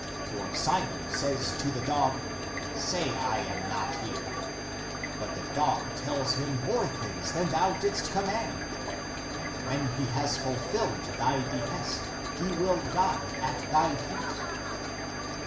For Simon says to the dog, Say I am not here. But the dog tells him more things than thou didst command. And when he has fulfilled thy behest, he will die at thy feet."